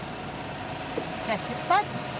じゃあ出発！